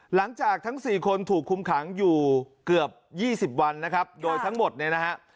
หลังจากทั้ง๔คนถูกคุมขังอยู่เกือบ๒๐วันนะครับโดยทั้งหมดเนี่ยนะฮะ